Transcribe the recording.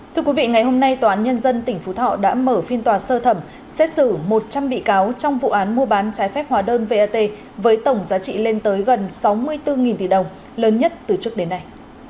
thưa quý vị ngày hôm nay tòa án nhân dân tỉnh phú thọ đã mở phiên tòa sơ thẩm xét xử một trăm linh bị cáo trong vụ án mua bán trái phép hóa đơn vat với tổng giá trị lên tới gần sáu mươi bốn tỷ đồng lớn nhất từ trước đến nay